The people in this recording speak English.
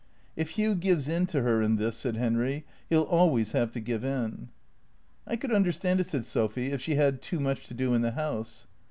" If Hugh gives in to her in this," said Henry, " he '11 always have to give in." " I could understand it/' said Sophy, " if she had too much to do in the house."